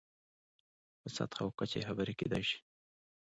په سطحه او کچه یې خبرې کېدای شي.